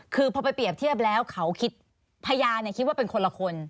คือพอไปเปรียบเทียบแล้วเขาคิดพยานคิดว่าเป็นคนละคน